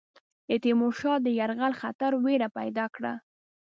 د تیمور شاه د یرغل خطر وېره پیدا کړه.